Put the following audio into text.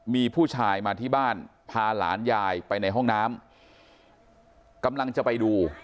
มีผู้ชายมาที่บ้านพาหลานยายไปในห้องน้ำกำลังจะไปดู